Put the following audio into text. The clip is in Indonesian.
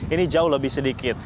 ini jauh lebih sedikit